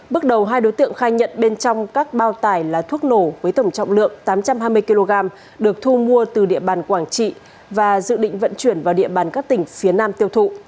bước đầu hai đối tượng khai nhận bên trong các bao tải là thuốc nổ với tổng trọng lượng tám trăm hai mươi kg được thu mua từ địa bàn quảng trị và dự định vận chuyển vào địa bàn các tỉnh phía nam tiêu thụ